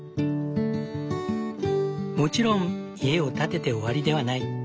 もちろん家を建てて終わりではない。